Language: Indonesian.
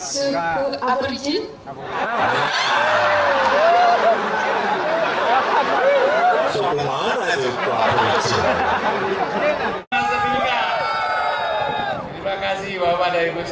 suku dayak di kalimantan betul